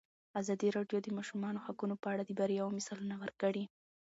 ازادي راډیو د د ماشومانو حقونه په اړه د بریاوو مثالونه ورکړي.